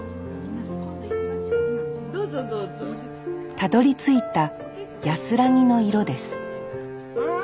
たどりついた安らぎの色です